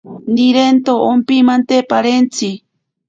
Nirento ompimante parentzi.